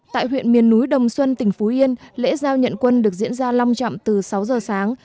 tại huyện miền núi đồng xuân tỉnh phú yên lễ giao nhận quân được diễn ra long trọng từ sáu giờ sáng